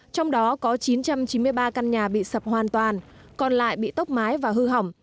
trong đó có chín trăm chín mươi ba căn nhà bị sập hoàn toàn còn lại bị tốc mái và hư hỏng